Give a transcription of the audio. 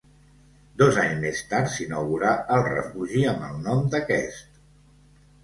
Dos anys més tard s'inaugurà el refugi amb el nom d'aquest.